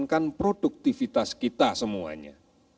mempertahankan produktivitas kita semuanya